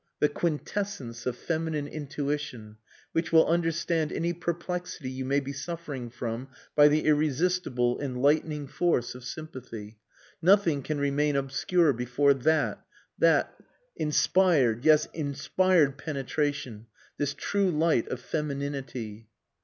the quintessence of feminine intuition which will understand any perplexity you may be suffering from by the irresistible, enlightening force of sympathy. Nothing can remain obscure before that that inspired, yes, inspired penetration, this true light of femininity."